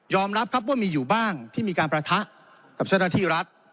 รับครับว่ามีอยู่บ้างที่มีการประทะกับเจ้าหน้าที่รัฐ